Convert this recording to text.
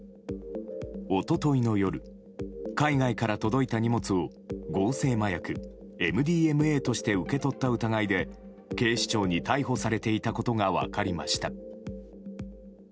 一昨日の夜海外から届いた荷物を合成麻薬ＭＤＭＡとして受け取った疑いで警視庁に逮捕されていたことが分かりました。